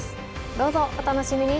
どうぞお楽しみに！